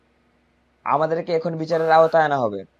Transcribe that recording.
আমাদেরকে এখন বিচারের আওতায় আনা হবে!